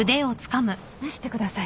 放してください。